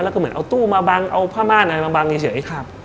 แล้วก็เหมือนเอาตู้มาบังเอาผ้าม่านอะไรมาบังเฉย